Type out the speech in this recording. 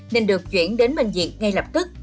nên được chuyển đến bệnh viện ngay lập tức